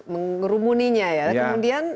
mengerumuninya ya kemudian